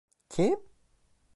Kim?